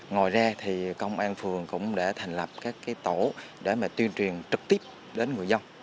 ngoài ra thì công an phường cũng đã thành lập các tổ để mà tuyên truyền trực tiếp đến người dân